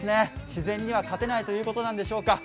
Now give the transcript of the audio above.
自然には勝てないということなんでしょうか。